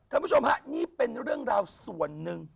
คุณผู้ชมฮะนี่เป็นเรื่องราวส่วนหนึ่ง